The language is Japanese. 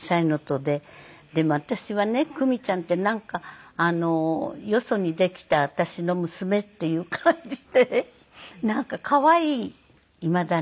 でも私はねクミちゃんってなんかよそにできた私の娘っていう感じでなんか可愛いいまだに。